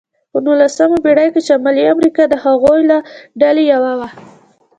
په نوولسمه پېړۍ کې شمالي امریکا د هغوی له ډلې یوه وه.